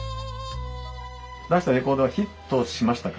出したレコードはヒットしましたか？